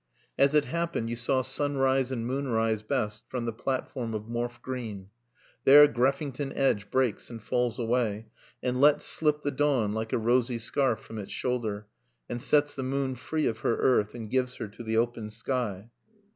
As it happened you saw sunrise and moonrise best from the platform of Morfe Green. There Greffington Edge breaks and falls away, and lets slip the dawn like a rosy scarf from its shoulder, and sets the moon free of her earth and gives her to the open sky.